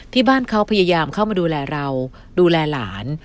ที่บ้านเขาพยายามเข้ามาดูแลเราดูแลหลาน